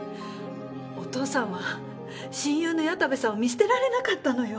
お父さんは親友の矢田部さんを見捨てられなかったのよ。